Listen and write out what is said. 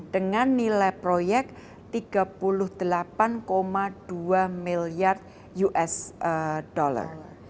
dengan nilai proyek tiga puluh delapan dua miliar usd